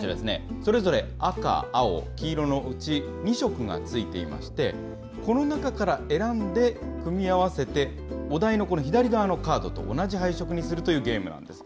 それぞれ赤、青、黄色のうち２色が付いていまして、この中から選んで組み合わせて、お題の左側のカードと同じ配色にするというゲームなんです。